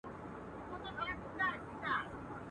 راسه چي له ځان سره ملنګ دي کم.